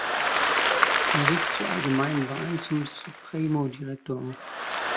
Er rief zu allgemeinen Wahlen zum "Supremo Director" auf.